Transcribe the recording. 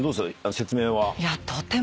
説明は。